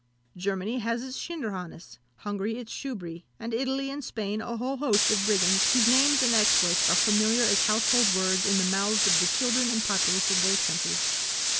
Germany has its Schinderhannes, Hungary its Schubry, and Italy and Spain a whole host of brigands, whose names and exploits are familiar as household words in the mouths of the children and populace of those countries.